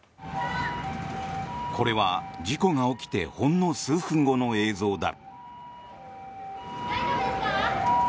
これは事故が起きてほんの数分後の映像だ。